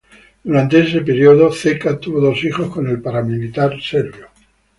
Durante ese período, Ceca tuvo dos hijos con el paramilitar serbio.